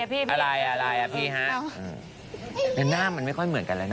ประมาณนั้น